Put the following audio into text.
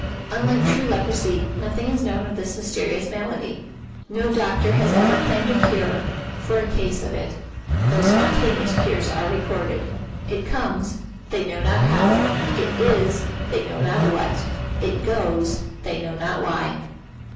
Unlike True Leprosy, nothing is known of this mysterious malady. No doctor has ever claimed a cure for a case of it, though spontaneous cures are recorded. It comes, they know not how. It is, they know not what. It goes, they know not why.